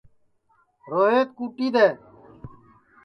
روہیت کُٹی دؔے